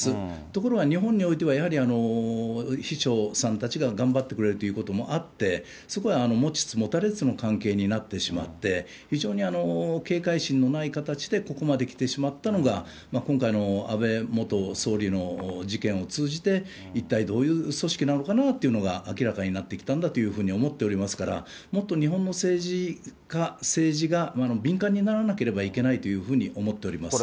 ところが日本においてはやはり、秘書さんたちが頑張ってくれるということもあって、そこは持ちつ持たれつの関係になってしまって、非常に警戒心のない形でここまで来てしまったのが、今回の安倍元総理の事件を通じて、一体どういう組織なのかなというのが明らかになってきたんだというふうに思っておりますから、もっと日本の政治家、政治が、敏感にならなければいけないというふうに思っております。